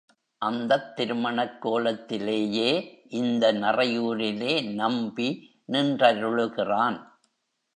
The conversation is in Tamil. அந்தத் திருமணக் கோலத்திலேயே இந்த நறையூரிலே நம்பி நின்றருளுகிறான்.